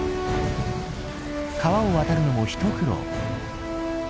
川を渡るのも一苦労。